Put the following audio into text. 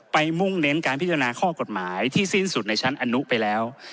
มุ่งเน้นการพิจารณาข้อกฎหมายที่สิ้นสุดในชั้นอนุไปแล้ว